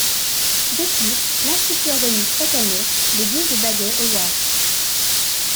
De plus, l'Institut organise chaque année les Guldbagge Awards.